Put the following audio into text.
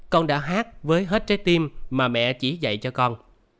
con đã hát với hết trái tim mà mẹ chỉ dạy cho con